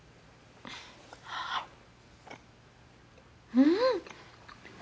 うん！